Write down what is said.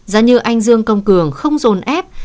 giá như anh dương công cường không dồn ép